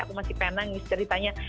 aku masih pengen nangis ceritanya